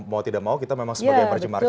mau tidak mau kita memang sebagai emerging market